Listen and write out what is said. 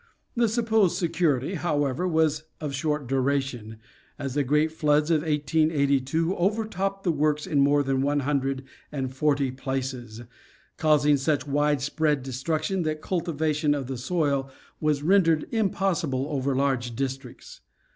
The supposed security, however, was of short duration, as the great floods of 1882 over topped the works in more than one hundred and forty places, causing such widespread destruction that cultivation of the soil 44 National Geographic Magazine. was rendered impossible over large districts.